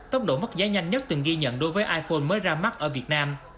tốc độ mất giá nhanh nhất từng ghi nhận đối với iphone mới ra mắt ở việt nam